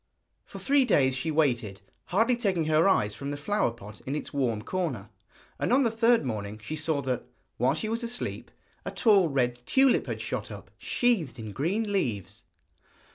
For three days she waited, hardly taking her eyes from the flower pot in its warm corner, and on the third morning she saw that, while she was asleep, a tall red tulip had shot up, sheathed in green leaves.